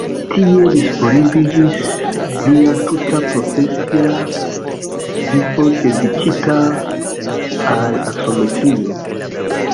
Tie disvolviĝis lia tuta profesia vivo dediĉita al astrometrio.